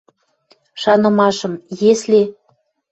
Шанымашым: «Если?..»